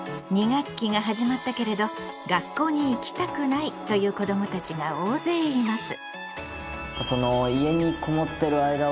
２学期が始まったけれど「学校に行きたくない」という子どもたちが大勢います。